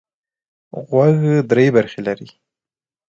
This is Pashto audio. غوږ درې برخې لري.